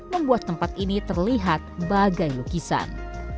membuat tempat ini terlihat bagai lukisan